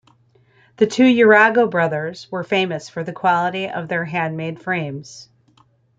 The two Urago brothers were famous for the quality of their handmade frames.